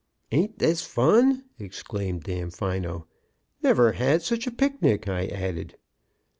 "Ain't this fun!" exclaimed Damfino. "Never had such a picnic!" I added.